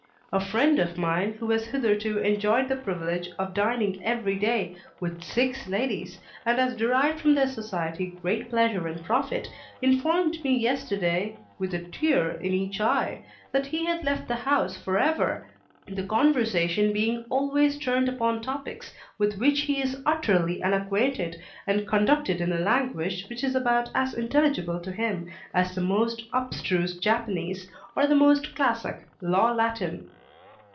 A friend of mine, who has hitherto enjoyed the privilege of dining every day with six ladies, and has derived from their society great pleasure and profit, informed me yesterday, with a tear in each eye, that he had left the house for ever, the conversation being always turned upon topics with which he is utterly unacquainted, and conducted in a language which is about as intelligible to him as the most abstruse Japanese or the most classic Law Latin.